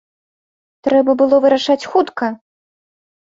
Трэба было вырашаць хутка!